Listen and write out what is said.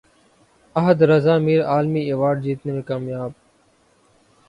احد رضا میر عالمی ایوارڈ جیتنے میں کامیاب